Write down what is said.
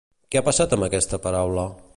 Què ha passat amb aquesta paraula?